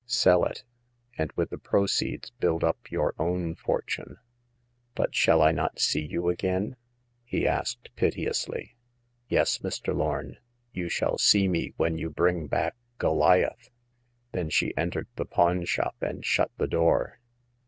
" Sell it, and with the proceeds build up your own fortune." But shall I not see you again ?*' he asked, piteously. " Yes, Mr. Lorn ; you shall see me when you bring back Goliath." Then she entered the pawn shop and shut the door.